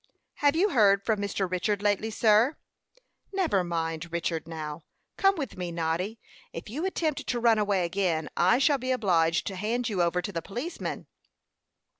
"Have you heard from Mr. Richard lately, sir?" "Never mind Richard, now. Come with me, Noddy. If you attempt to run away again, I shall be obliged to hand you over to a policeman."